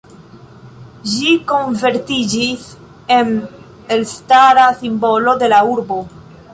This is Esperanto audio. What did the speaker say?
Ĝi konvertiĝis en elstara simbolo de la urbo.